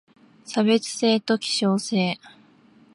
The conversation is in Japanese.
差別性と希少性